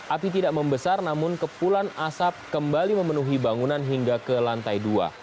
api tidak membesar namun kepulan asap kembali memenuhi bangunan hingga ke lantai dua